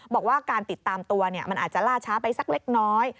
บอกว่าการติดตามตัวมันอาจจะล่าช้าไปสักเล็กน้อย